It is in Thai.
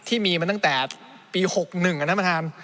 ที่มีมาตั้งแต่ปี๖๑ท่านประธาน